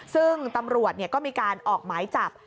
ซึ่งตำรวจก็มีการออกหมายจับ